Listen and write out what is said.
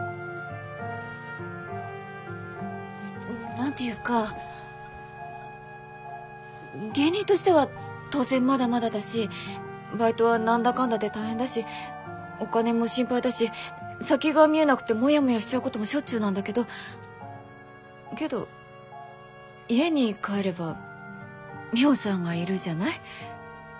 何て言うか芸人としては当然まだまだだしバイトは何だかんだで大変だしお金も心配だし先が見えなくてモヤモヤしちゃうこともしょっちゅうなんだけどけど家に帰ればミホさんがいるじゃない。